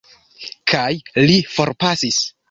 Kaj li forpasis.